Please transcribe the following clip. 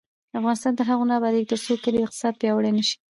افغانستان تر هغو نه ابادیږي، ترڅو کلیوالي اقتصاد پیاوړی نشي.